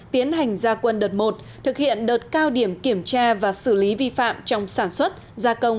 tiến hành gia quân đợt một thực hiện đợt cao điểm kiểm tra và xử lý vi phạm trong sản xuất gia công